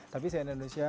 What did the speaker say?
tapi cina indonesia